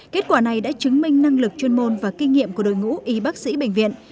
kết quả này đã chứng minh năng lực chuyên môn và kinh nghiệm của đội ngũ y bác sĩ bệnh viện